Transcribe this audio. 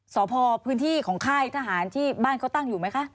ศพพื้นที่ของค่ายทหารที่บ้านเขาตั้งไหมคะ